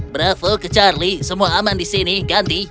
bravo ke charlie semua aman di sini ganti